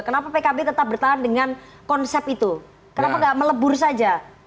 kenapa pkb tetap bertahan dengan konsep itu kenapa gak melebur saja